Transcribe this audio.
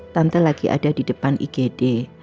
tante lagi ada di depan igd